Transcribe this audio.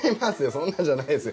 そんなんじゃないですよ。